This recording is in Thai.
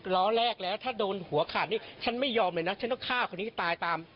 ล้อแรกแล้วถ้าโดนหัวขาดนี่ฉันไม่ยอมเลยนะฉันต้องฆ่าคนนี้ให้ตายตาม